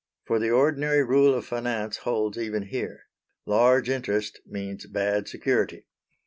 For the ordinary rule of finance holds even here: large interest means bad security.